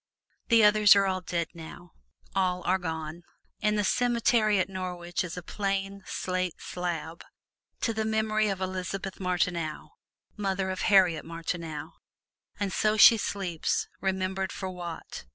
The others are all dead now all are gone. In the cemetery at Norwich is a plain, slate slab, "To the Memory of Elizabeth Martineau, Mother of Harriet Martineau." And so she sleeps, remembered for what?